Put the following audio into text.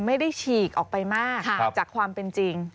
ฉีกออกไปมากจากความเป็นจริง